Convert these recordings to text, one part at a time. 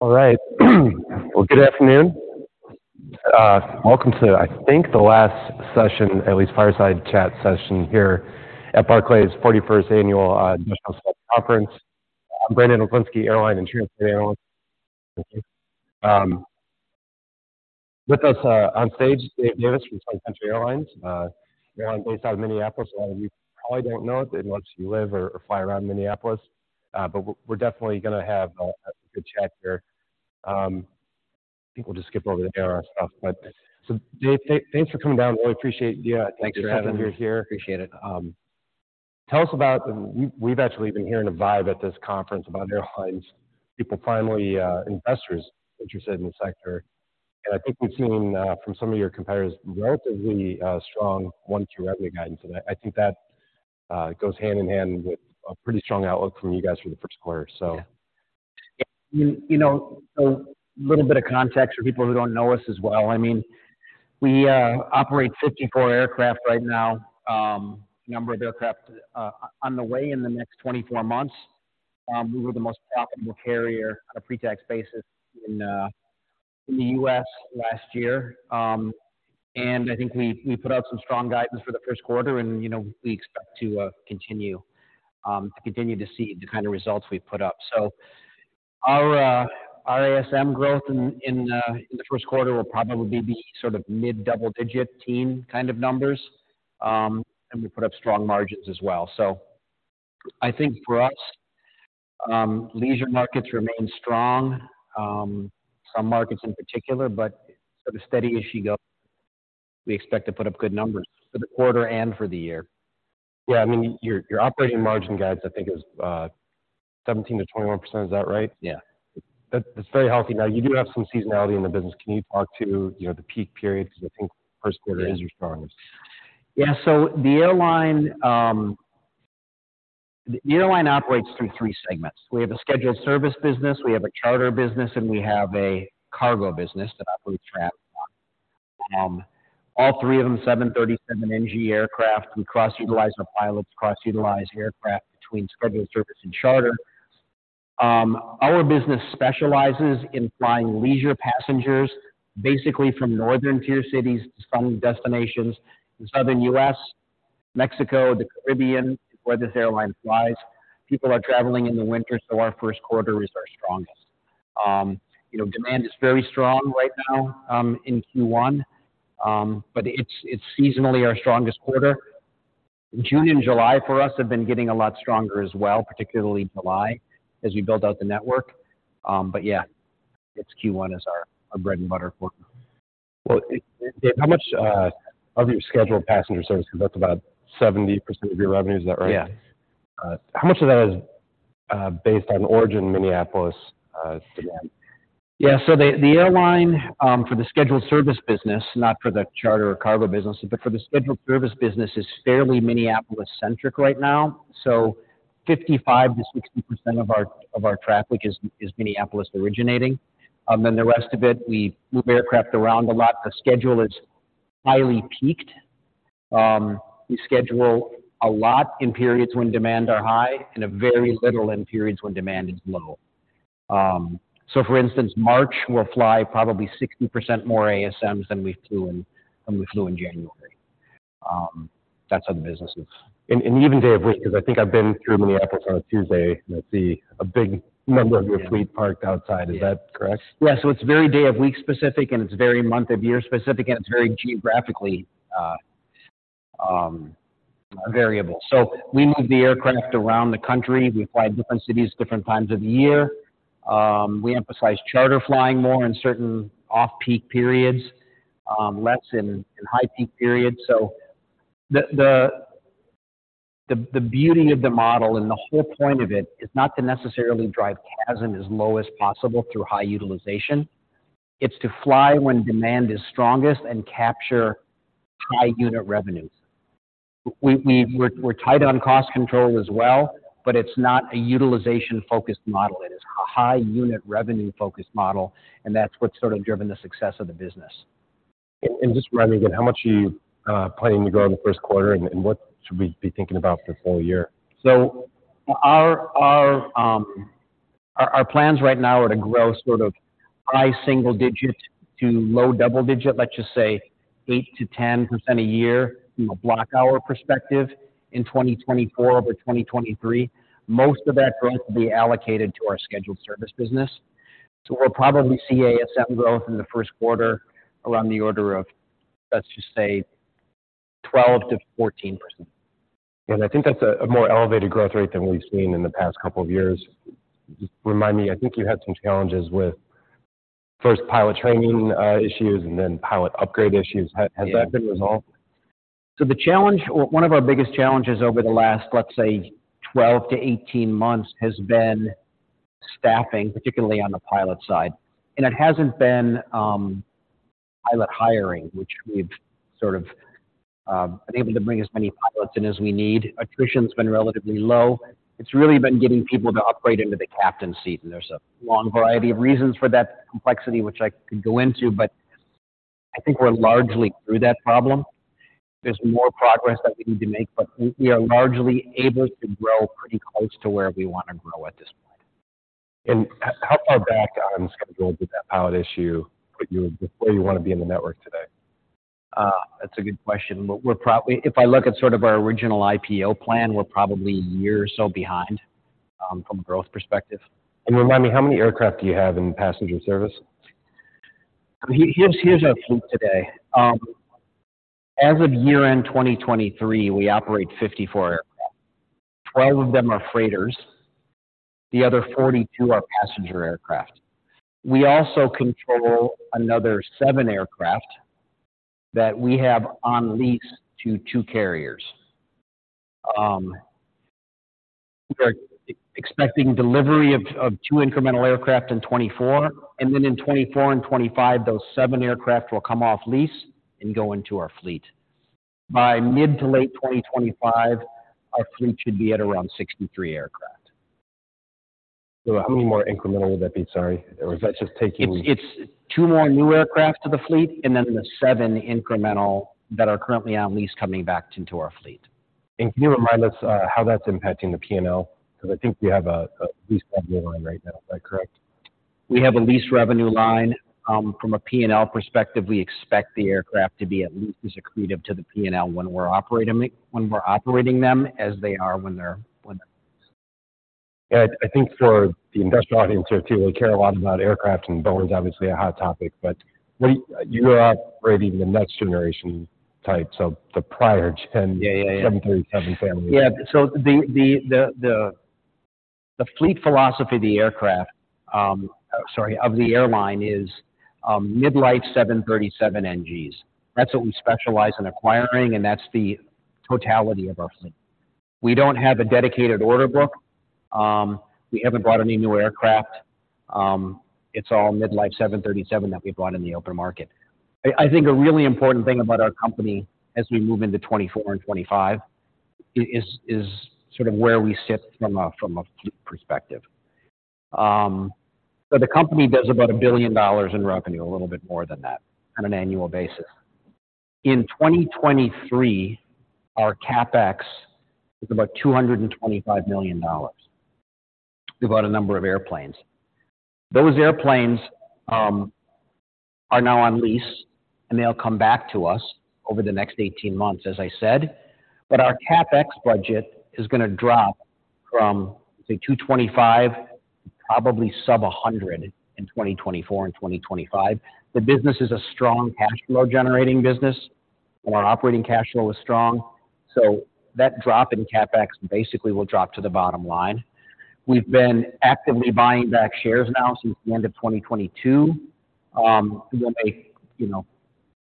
All right, well, good afternoon. Welcome to, I think, the last session, at least fireside chat session, here at Barclays' 41st Annual Industrial Select Conference. I'm Brandon Oglendski, airline and transport analyst. Thank you. With us, on stage, Dave Davis from Sun Country Airlines, airline based out of Minneapolis. A lot of you probably don't know it unless you live or fly around Minneapolis, but we're definitely gonna have a good chat here. I think we'll just skip over the air on stuff, but so Dave, thanks for coming down. Really appreciate you. Yeah, thanks for having me. Having you here. Appreciate it. Tell us about we've actually been hearing a vibe at this conference about airlines, people finally investors interested in the sector. I think that goes hand in hand with a pretty strong outlook from you guys for the first quarter, so. Yeah. And you know, so a little bit of context for people who don't know us as well. I mean, we operate 54 aircraft right now, a number of aircraft on the way in the next 24 months. We were the most profitable carrier on a pretax basis in the U.S. last year. And I think we put out some strong guidance for the first quarter, and you know, we expect to continue to see the kind of results we've put up. So our ASM growth in the first quarter will probably be sort of mid-double-digit teen kind of numbers, and we'll put up strong margins as well. So I think for us, leisure markets remain strong, some markets in particular, but sort of steady as you go. We expect to put up good numbers for the quarter and for the year. Yeah. I mean, your operating margin guides, I think, is 17%-21%. Is that right? Yeah. That's very healthy. Now, you do have some seasonality in the business. Can you talk to, you know, the peak period? 'Cause I think first quarter is your strongest. Yeah. So the airline, the airline operates through three segments. We have a scheduled service business, we have a charter business, and we have a cargo business that operates for Amazon. All three of them, 737 NG aircraft, we cross-utilize our pilots, cross-utilize aircraft between scheduled service and charter. Our business specializes in flying leisure passengers, basically from Northern Tier cities to sun destinations in southern U.S., Mexico, the Caribbean, is where this airline flies. People are traveling in the winter, so our first quarter is our strongest. You know, demand is very strong right now, in Q1, but it's, it's seasonally our strongest quarter. June and July for us have been getting a lot stronger as well, particularly July as we build out the network. But yeah, it's Q1 is our, our bread and butter quarter. Well, Dave, how much, of your scheduled passenger service, 'cause that's about 70% of your revenue. Is that right? Yeah. How much of that is, based on origin Minneapolis, demand? Yeah. So the airline, for the scheduled service business, not for the charter or cargo business, but for the scheduled service business, is fairly Minneapolis-centric right now. So 55%-60% of our traffic is Minneapolis-originating. Then the rest of it, we move aircraft around a lot. The schedule is highly peaked. We schedule a lot in periods when demand are high and very little in periods when demand is low. So for instance, March, we'll fly probably 60% more ASMs than we flew in January. That's how the business is. Even day of week, 'cause I think I've been through Minneapolis on a Tuesday, and I see a big number of your fleet parked outside. Is that correct? Yeah. So it's very day of week specific, and it's very month of year specific, and it's very geographically variable. So we move the aircraft around the country. We fly different cities different times of the year. We emphasize charter flying more in certain off-peak periods, less in high-peak periods. So the beauty of the model and the whole point of it is not to necessarily drive CASM as low as possible through high utilization. It's to fly when demand is strongest and capture high unit revenues. We're tight on cost control as well, but it's not a utilization-focused model. It is a high unit revenue-focused model, and that's what's sort of driven the success of the business. Just running again, how much are you planning to grow in the first quarter, and what should we be thinking about for the full year? So our plans right now are to grow sort of high single digit to low double digit, let's just say 8%-10% a year from a block hour perspective in 2024 over 2023. Most of that growth will be allocated to our scheduled service business. So we'll probably see ASM growth in the first quarter around the order of, let's just say, 12%-14%. I think that's a more elevated growth rate than we've seen in the past couple of years. Just remind me, I think you had some challenges with first pilot training, issues and then pilot upgrade issues. Has that been resolved? Yeah. So the challenge or one of our biggest challenges over the last, let's say, 12-18 months has been staffing, particularly on the pilot side. And it hasn't been, pilot hiring, which we've sort of, been able to bring as many pilots in as we need. Attrition's been relatively low. It's really been getting people to upgrade into the captain's seat. And there's a long variety of reasons for that complexity, which I could go into, but I think we're largely through that problem. There's more progress that we need to make, but we, we are largely able to grow pretty close to where we wanna grow at this point. How far back on schedule did that pilot issue put you before you wanna be in the network today? That's a good question. We're probably, if I look at sort of our original IPO plan, we're a year or so behind, from a growth perspective. Remind me, how many aircraft do you have in passenger service? So here's our fleet today. As of year-end 2023, we operate 54 aircraft. 12 of them are freighters. The other 42 are passenger aircraft. We also control another seven aircraft that we have on lease to two carriers. We are expecting delivery of two incremental aircraft in 2024. Then in 2024 and 2025, those seven aircraft will come off lease and go into our fleet. By mid to late 2025, our fleet should be at around 63 aircraft. So how many more incremental would that be? Sorry. Or is that just taking? It's two more new aircraft to the fleet and then the seven incremental that are currently on lease coming back into our fleet. Can you remind us how that's impacting the P&L? 'Cause I think we have a lease revenue line right now. Is that correct? We have a lease revenue line. From a P&L perspective, we expect the aircraft to be at least as accretive to the P&L when we're operating them as they are when they're leased. Yeah. I think for the industrial audience here too, we care a lot about aircraft, and Boeing's obviously a hot topic. But what are you operating the next generation type, so the prior gen 737 family? Yeah. Yeah. So the fleet philosophy of the aircraft, sorry, of the airline is mid-life 737 NGs. That's what we specialize in acquiring, and that's the totality of our fleet. We don't have a dedicated order book. We haven't brought any new aircraft. It's all mid-life 737 that we've brought in the open market. I think a really important thing about our company as we move into 2024 and 2025 is sort of where we sit from a fleet perspective. So the company does about $1 billion in revenue, a little bit more than that, on an annual basis. In 2023, our CapEx is about $225 million. We bought a number of airplanes. Those airplanes are now on lease, and they'll come back to us over the next 18 months, as I said. But our CapEx budget is gonna drop from, say, $225 to probably sub-$100 in 2024 and 2025. The business is a strong cash flow-generating business, and our operating cash flow is strong. So that drop in CapEx basically will drop to the bottom line. We've been actively buying back shares now since the end of 2022, when they, you know,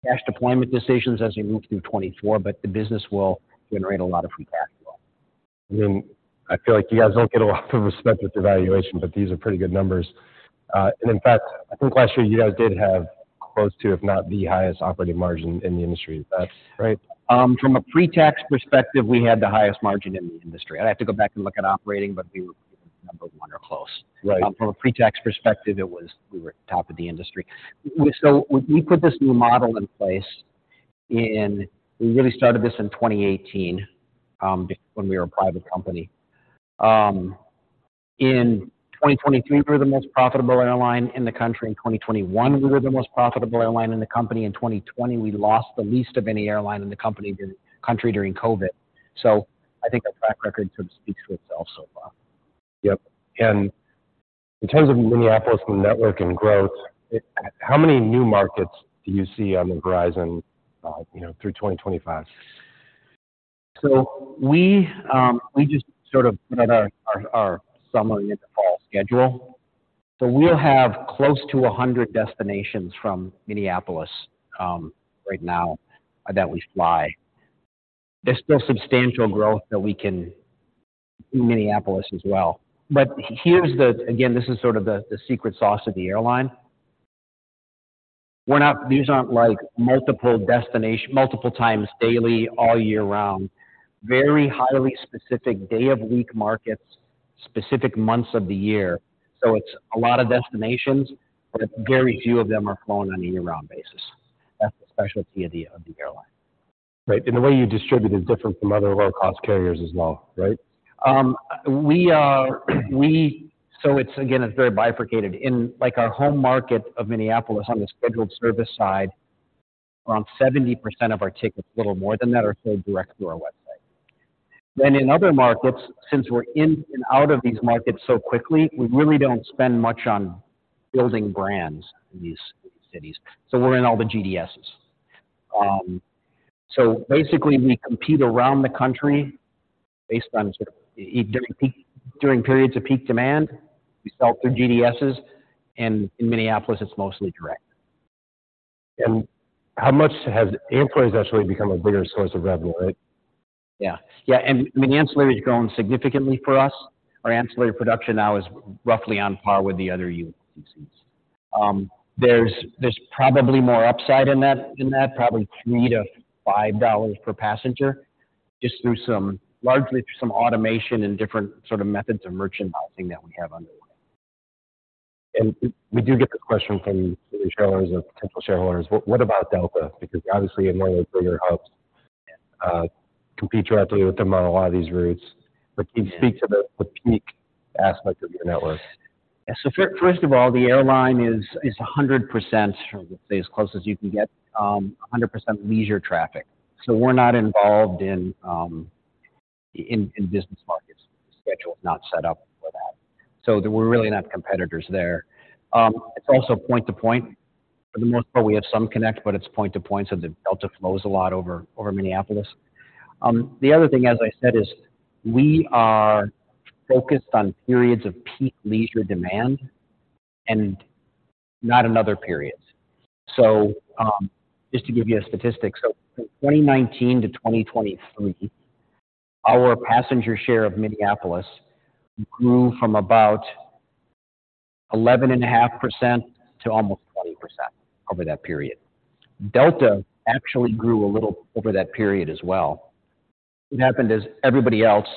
cash deployment decisions as we move through 2024, but the business will generate a lot of free cash flow. I mean, I feel like you guys don't get a lot of respect with your valuation, but these are pretty good numbers. In fact, I think last year you guys did have close to, if not the highest operating margin in the industry. Is that right? Right. From a pretax perspective, we had the highest margin in the industry. I'd have to go back and look at operating, but we were probably number one or close. Right. From a pretax perspective, we were top of the industry. So we, we put this new model in place. We really started this in 2018, when we were a private company. In 2023, we were the most profitable airline in the country. In 2021, we were the most profitable airline in the country. In 2020, we lost the least of any airline in the country during COVID. So I think our track record sort of speaks for itself so far. Yep. And in terms of Minneapolis and the network and growth, how many new markets do you see on the horizon, you know, through 2025? We just sort of put out our summer and the fall schedule. So we'll have close to 100 destinations from Minneapolis right now that we fly. There's still substantial growth that we can in Minneapolis as well. But here's the again, this is sort of the secret sauce of the airline. We're not these aren't, like, multiple destinations multiple times daily, all year round, very highly specific day-of-week markets, specific months of the year. So it's a lot of destinations, but very few of them are flown on a year-round basis. That's the specialty of the airline. Right. The way you distribute is different from other low-cost carriers as well, right? So it's, again, it's very bifurcated. In, like, our home market of Minneapolis on the scheduled service side, around 70% of our tickets, a little more than that, are sold direct through our website. Then in other markets, since we're in and out of these markets so quickly, we really don't spend much on building brands in these cities. So we're in all the GDSs. So basically, we compete around the country based on sort of during periods of peak demand, we sell through GDSs. And in Minneapolis, it's mostly direct. How much has ancillaries actually become a bigger source of revenue, right? Yeah. Yeah. And I mean, ancillaries grown significantly for us. Our ancillary production now is roughly on par with the other ULCCs. There's probably more upside in that in that, probably $5 per passenger just through some largely through some automation and different sort of methods of merchandising that we have underway. We do get this question from some shareholders or potential shareholders. What about Delta? Because they're obviously in one of the bigger hubs and compete directly with them on a lot of these routes. But can you speak to the peak aspect of your network? Yeah. So first of all, the airline is 100% or, let's say, as close as you can get, 100% leisure traffic. So we're not involved in business markets. The schedule's not set up for that. So we're really not competitors there. It's also point-to-point. For the most part, we have some connect, but it's point-to-point. So the Delta flows a lot over Minneapolis. The other thing, as I said, is we are focused on periods of peak leisure demand and not another period. So, just to give you a statistic, from 2019 to 2023, our passenger share of Minneapolis grew from about 11.5% to almost 20% over that period. Delta actually grew a little over that period as well. What happened is everybody else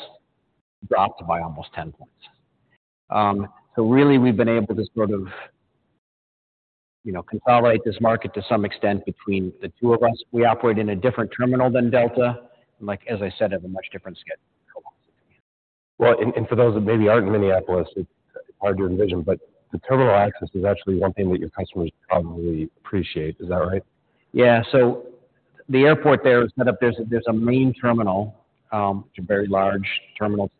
dropped by almost 10 points. So really, we've been able to sort of, you know, consolidate this market to some extent between the two of us. We operate in a different terminal than Delta. And, like, as I said, have a much different schedule and philosophy. Well, for those that maybe aren't in Minneapolis, it's hard to envision. But the terminal access is actually one thing that your customers probably appreciate. Is that right? Yeah. So the airport there is set up. There's a main terminal, which is a very large terminal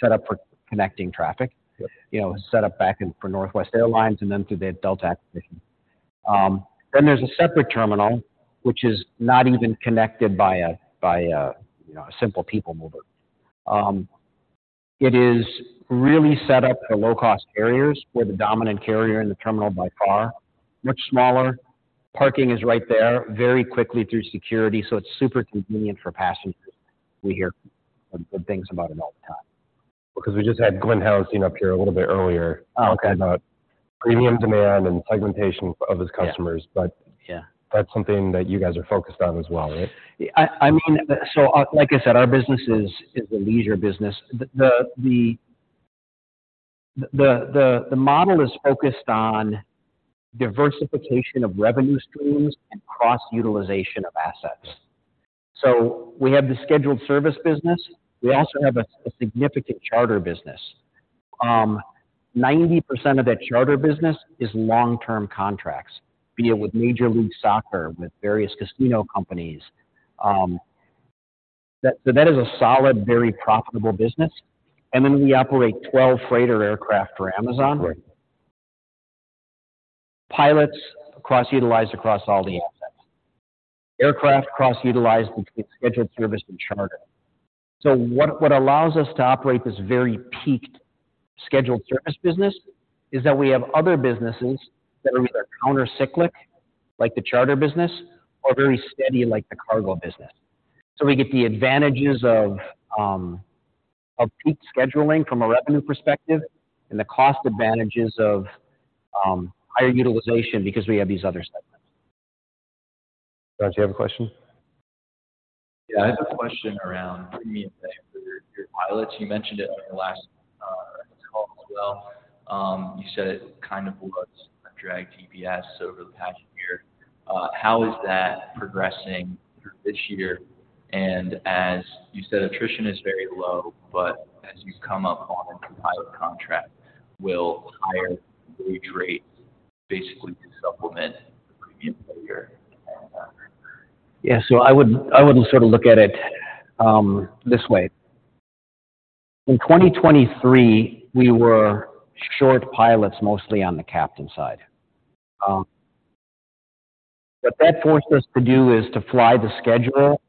set up for connecting traffic. Yep. You know, set up back in for Northwest Airlines and then through the Delta acquisition. Then there's a separate terminal, which is not even connected by a, you know, a simple people mover. It is really set up for low-cost carriers, where the dominant carrier in the terminal by far, much smaller. Parking is right there, very quickly through security. So it's super convenient for passengers. We hear good, good things about it all the time. Well, 'cause we just had Glen Hauenstein up here a little bit earlier. Oh, okay. Talking about premium demand and segmentation of his customers. But. Yeah. Yeah. That's something that you guys are focused on as well, right? I mean, so like I said, our business is a leisure business. The model is focused on diversification of revenue streams and cross-utilization of assets. So we have the scheduled service business. We also have a significant charter business. 90% of that charter business is long-term contracts, be it with Major League Soccer, with various casino companies. That so that is a solid, very profitable business. And then we operate 12 freighter aircraft for Amazon. Right. Pilots cross-utilized across all the assets, aircraft cross-utilized between scheduled service and charter. So what, what allows us to operate this very peaked scheduled service business is that we have other businesses that are either countercyclic, like the charter business, or very steady, like the cargo business. So we get the advantages of, of peak scheduling from a revenue perspective and the cost advantages of, higher utilization because we have these other segments. John, do you have a question? Yeah. I have a question around premium pay for your, your pilots. You mentioned it on your last call as well. You said it kind of was a drag TPS over the past year. How is that progressing through this year? And as you said, attrition is very low, but as you come up on into pilot contract, will higher wage rates basically supplement the premium pay? Yeah. So I wouldn't sort of look at it this way. In 2023, we were short pilots mostly on the captain side. What that forced us to do is to fly the schedule.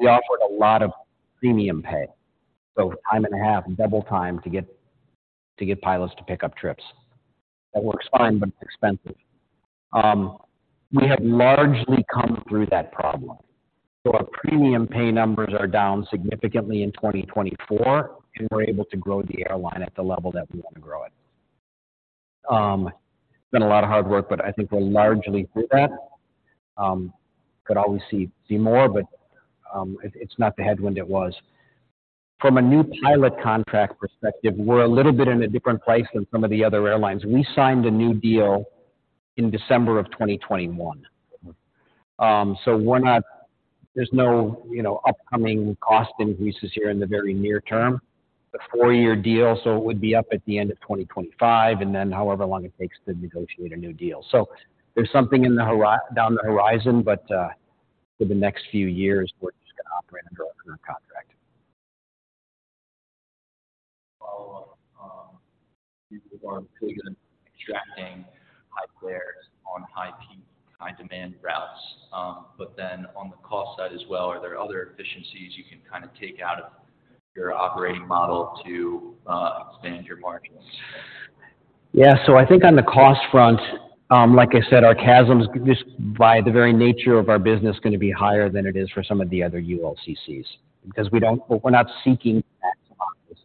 We offered a lot of premium pay, so time and a half, double time to get pilots to pick up trips. That works fine, but it's expensive. We have largely come through that problem. So our premium pay numbers are down significantly in 2024, and we're able to grow the airline at the level that we wanna grow it. It's been a lot of hard work, but I think we're largely through that. We could always see more, but it's not the headwind it was. From a new pilot contract perspective, we're a little bit in a different place than some of the other airlines. We signed a new deal in December of 2021. So we're not, there's no, you know, upcoming cost increases here in the very near term. It's a four-year deal, so it would be up at the end of 2025 and then however long it takes to negotiate a new deal. So there's something in the horizon down the horizon, but for the next few years, we're just gonna operate under a current contract. Follow-up. People are really good at extracting high yields on high-peak, high-demand routes. But then on the cost side as well, are there other efficiencies you can kinda take out of your operating model to expand your margins? Yeah. So I think on the cost front, like I said, our CASM's just by the very nature of our business gonna be higher than it is for some of the other ULCCs because we're not seeking maximized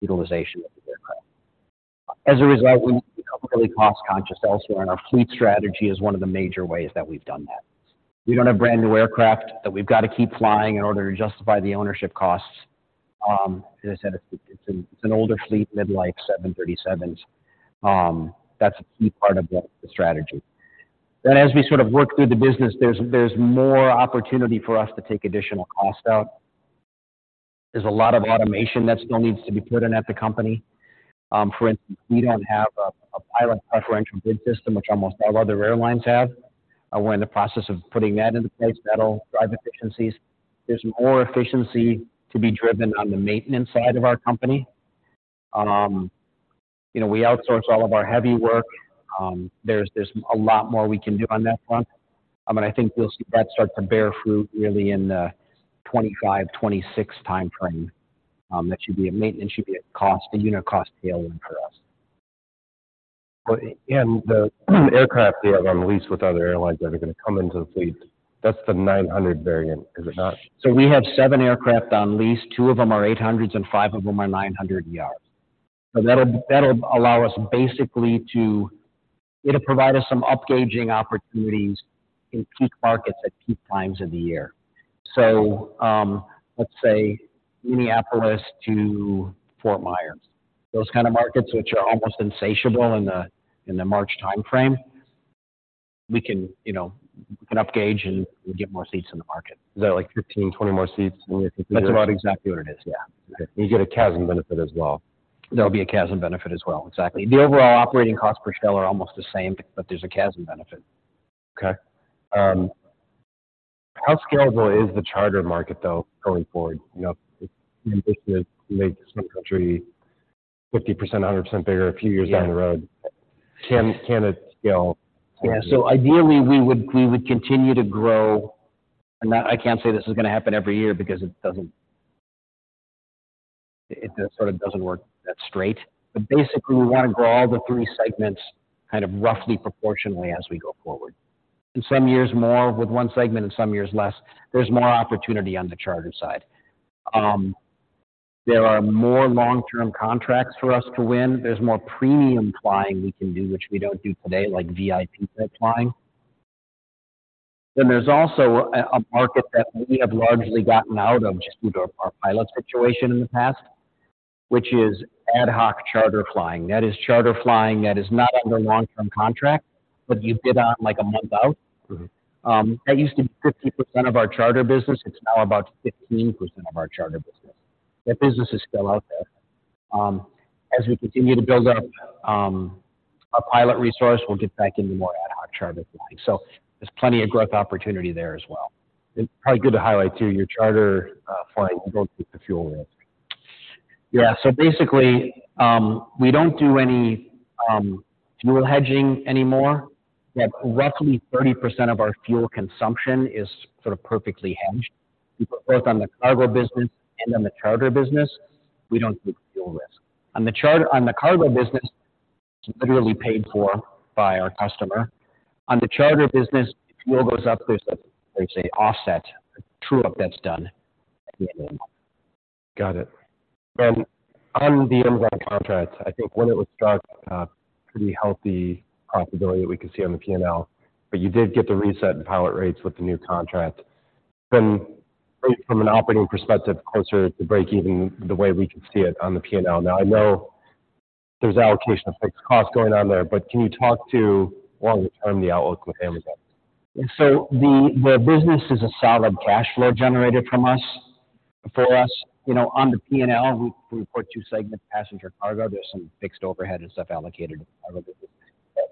utilization of the aircraft. As a result, we need to become really cost-conscious elsewhere, and our fleet strategy is one of the major ways that we've done that. We don't have brand-new aircraft that we've gotta keep flying in order to justify the ownership costs. As I said, it's an older fleet, mid-life 737s. That's a key part of the strategy. Then as we sort of work through the business, there's more opportunity for us to take additional costs out. There's a lot of automation that still needs to be put in at the company. For instance, we don't have a pilot preferential bid system, which almost all other airlines have. We're in the process of putting that into place. That'll drive efficiencies. There's more efficiency to be driven on the maintenance side of our company. You know, we outsource all of our heavy work. There's a lot more we can do on that front. And I think we'll see that start to bear fruit, really, in the 2025, 2026 timeframe. That should be a maintenance should be a cost a unit cost tailwind for us. Well, and the aircraft they have on lease with other airlines that are gonna come into the fleet, that's the 900 variant, is it not? So we have seven aircraft on lease two of them are 800s, and five of them are 900ERs. So that'll allow us basically to it'll provide us some upgauging opportunities in peak markets at peak times of the year. So, let's say Minneapolis to Fort Myers, those kinda markets, which are almost insatiable in the March timeframe, we can, you know we can upgauge and get more seats in the market. Is that like 15-20 more seats, and you're configured? That's about exactly what it is. Yeah. Okay. And you get a CASM benefit as well. There'll be a CASM benefit as well. Exactly. The overall operating cost per ASM are almost the same, but there's a CASM benefit. Okay. How scalable is the charter market, though, going forward? You know, if the ambition is to make Sun Country 50%, 100% bigger a few years down the road, can, can it scale? Yeah. So ideally, we would continue to grow. I can't say this is gonna happen every year because it doesn't; it sort of doesn't work that straight. But basically, we wanna grow all three segments kind of roughly proportionally as we go forward. In some years, more with one segment, and some years, less. There's more opportunity on the charter side. There are more long-term contracts for us to win. There's more premium flying we can do, which we don't do today, like VIP type flying. Then there's also a market that we have largely gotten out of just due to our pilot situation in the past, which is ad hoc charter flying. That is charter flying that is not under long-term contract, but you bid on, like, a month out. Mm-hmm. That used to be 50% of our charter business. It's now about 15% of our charter business. That business is still out there. As we continue to build up our pilot resource, we'll get back into more ad hoc charter flying. So there's plenty of growth opportunity there as well. And probably good to highlight, too, your charter flying, you don't take the fuel risk. Yeah. So basically, we don't do any fuel hedging anymore. But roughly 30% of our fuel consumption is sort of perfectly hedged. Both on the cargo business and on the charter business, we don't take fuel risk. On the charter on the cargo business, it's literally paid for by our customer. On the charter business, if fuel goes up, there's an offset, a true-up that's done at the end of the month. Got it. And on the Amazon contract, I think when it was struck, pretty healthy profitability that we could see on the P&L. But you did get the reset in pilot rates with the new contract. It's been, from an operating perspective, closer to break-even the way we can see it on the P&L. Now, I know there's allocation of fixed costs going on there, but can you talk to, longer term, the outlook with Amazon? Yeah. So the business is a solid cash flow generated from us for us. You know, on the P&L, we report two segments, passenger cargo. There's some fixed overhead and stuff allocated to the cargo business.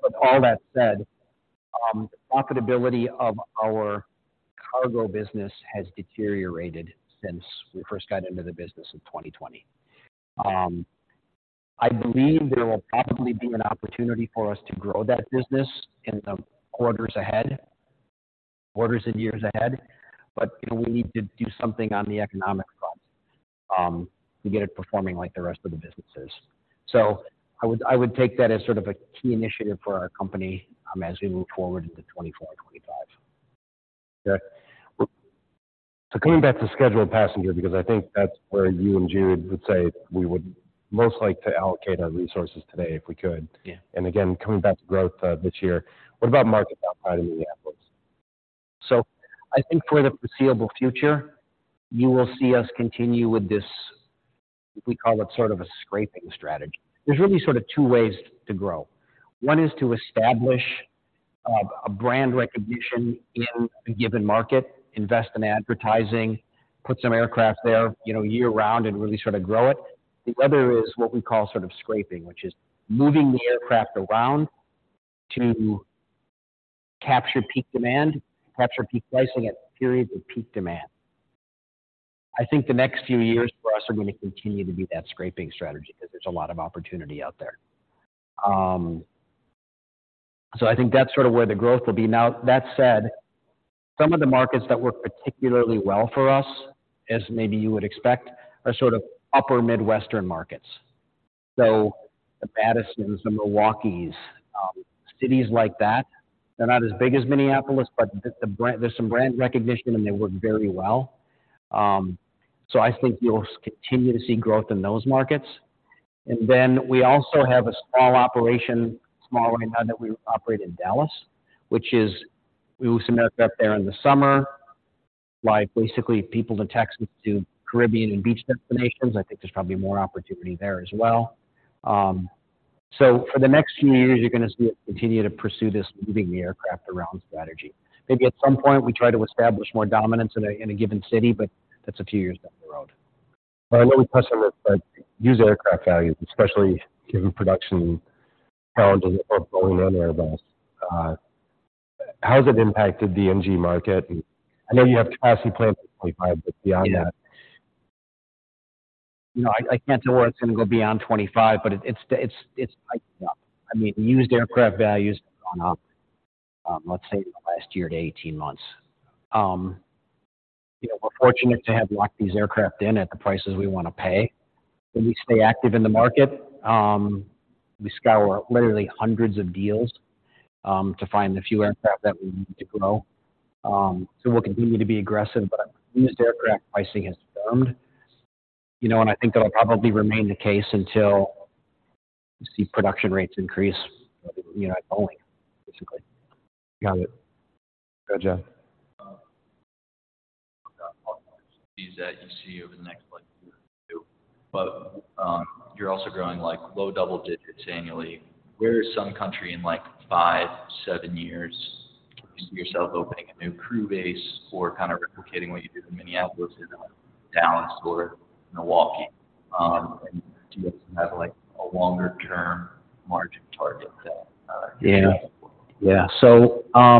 But all that said, the profitability of our cargo business has deteriorated since we first got into the business in 2020. I believe there will probably be an opportunity for us to grow that business in the quarters ahead, quarters and years ahead. But, you know, we need to do something on the economic front, to get it performing like the rest of the businesses. So I would take that as sort of a key initiative for our company, as we move forward into 2024 and 2025. Okay. So coming back to scheduled passenger, because I think that's where you and Jude would say we would most like to allocate our resources today if we could. Yeah. Again, coming back to growth, this year, what about markets outside of Minneapolis? So I think for the foreseeable future, you will see us continue with this we call it sort of a scraping strategy. There's really sort of two ways to grow. One is to establish a brand recognition in a given market, invest in advertising, put some aircraft there, you know, year-round, and really sort of grow it. The other is what we call sort of scraping, which is moving the aircraft around to capture peak demand, capture peak pricing at periods of peak demand. I think the next few years for us are gonna continue to be that scraping strategy 'cause there's a lot of opportunity out there. So I think that's sort of where the growth will be. Now, that said, some of the markets that work particularly well for us, as maybe you would expect, are sort of upper Midwestern markets. So the Madison, the Milwaukee, cities like that, they're not as big as Minneapolis, but the, the brand, there's some brand recognition, and they work very well. So I think you'll continue to see growth in those markets. And then we also have a small operation, small right now, that we operate in Dallas, which is we move some aircraft there in the summer, fly basically people to Texas, to Caribbean and beach destinations. I think there's probably more opportunity there as well. So for the next few years, you're gonna see us continue to pursue this moving the aircraft around strategy. Maybe at some point, we try to establish more dominance in a given city, but that's a few years down the road. Well, I know we touched on this, but used aircraft values, especially given production challenges of rolling in Airbuses. How has it impacted the NG market? And I know you have capacity planned for 2025, but beyond that. Yeah. You know, I can't tell where it's gonna go beyond 2025, but it's tightened up. I mean, used aircraft values have gone up, let's say in the last year to 18 months. You know, we're fortunate to have locked these aircraft in at the prices we wanna pay. We stay active in the market. We scour literally hundreds of deals to find the few aircraft that we need to grow. So we'll continue to be aggressive, but our used aircraft pricing has firmed, you know, and I think that'll probably remain the case until we see production rates increase at Boeing, basically. Got it. Good job. Talk about all the opportunities that you see over the next, like, year or two, but you're also growing, like, low double digits annually. Where is Sun Country in, like, five, seven years? Do you see yourself opening a new crew base or kinda replicating what you did in Minneapolis, in Dallas, or Milwaukee? And do you also have, like, a longer-term margin target that you're looking for? Yeah. Yeah. So, I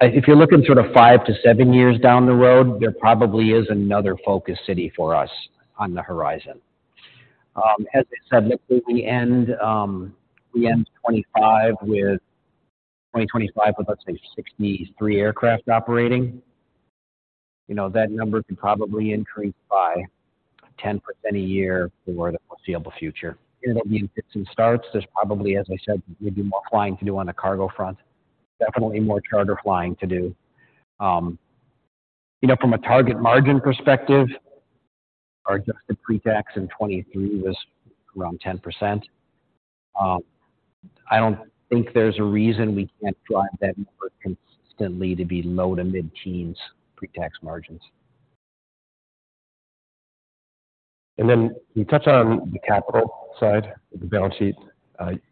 if you're looking sort of five-seven years down the road, there probably is another focus city for us on the horizon. As I said, let's say we end 25 with 2025 with, let's say, 63 aircraft operating. You know, that number could probably increase by 10% a year for the foreseeable future. And it'll be in fits and starts. There's probably, as I said, maybe more flying to do on the cargo front, definitely more charter flying to do. You know, from a target margin perspective, our adjusted pretax in '23 was around 10%. I don't think there's a reason we can't drive that number consistently to be low-to-mid-teens pretax margins. And then you touched on the capital side of the balance sheet.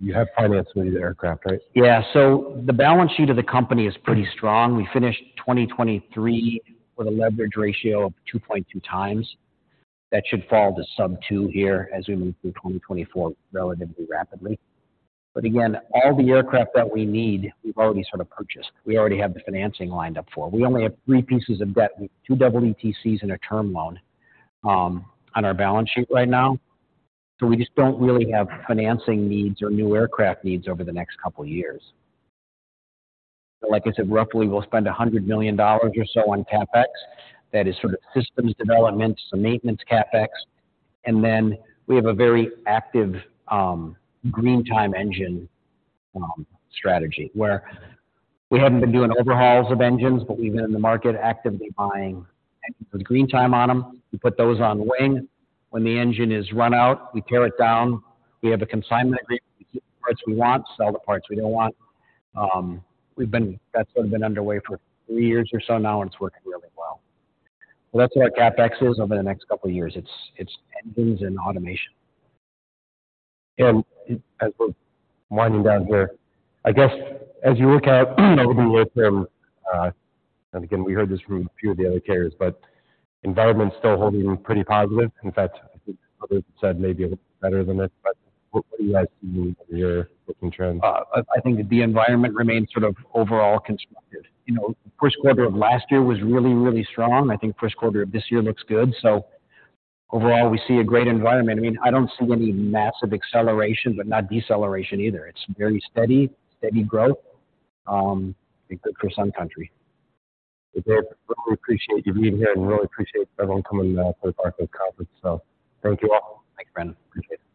You have financed these aircraft, right? Yeah. So the balance sheet of the company is pretty strong. We finished 2023 with a leverage ratio of 2.2x. That should fall to sub-2x here as we move through 2024 relatively rapidly. But again, all the aircraft that we need, we've already sort of purchased. We already have the financing lined up for it. We only have three pieces of debt. We have two EETCs and a term loan, on our balance sheet right now. So we just don't really have financing needs or new aircraft needs over the next couple of years. Like I said, roughly, we'll spend $100 million or so on CapEx. That is sort of systems development, some maintenance CapEx. And then we have a very active green time engine strategy where we haven't been doing overhauls of engines, but we've been in the market actively buying engines with green time on them. We put those on wing. When the engine is run out, we tear it down. We have a consignment agreement. We keep the parts we want, sell the parts we don't want. We've been. That's sort of been underway for three years or so now, and it's working really well. So that's what our CapEx is over the next couple of years. It's, it's engines and automation. As we're winding down here, I guess, as you look out over the near term, and again, we heard this from a few of the other carriers, but environment's still holding pretty positive. In fact, I think others have said maybe a little bit better than it. But what, what do you guys see in your booking trends? I think the environment remains sort of overall constructive. You know, first quarter of last year was really, really strong. I think first quarter of this year looks good. So overall, we see a great environment. I mean, I don't see any massive acceleration, but not deceleration either. It's very steady, steady growth. It'd be good for Sun Country. Okay. Really appreciate you being here, and really appreciate everyone coming, to the part of this conference. Thank you all. Thanks, Brandon. Appreciate it..